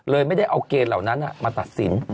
ไม่ได้เอาเกณฑ์เหล่านั้นมาตัดสิน